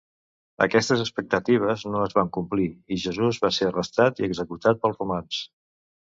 Aquestes expectatives no es van complir, i Jesús va ser arrestat i executat pels romans.